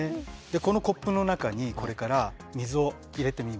このコップの中にこれから水を入れてみます。